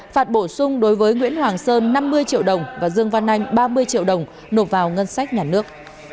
phạt bổ sung đối với nguyễn hoàng sơn năm mươi triệu đồng và dương văn anh ba mươi triệu đồng nộp vào ngân sách nhà nước